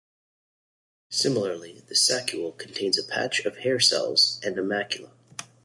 Similarly, the saccule contains a patch of hair cells and a macula.